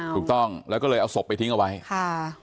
ถูกต้องแล้วก็เลยเอาศพไปทิ้งเอาไว้ค่ะ